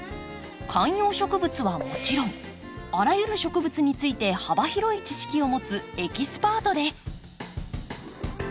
観葉植物はもちろんあらゆる植物について幅広い知識を持つエキスパートです。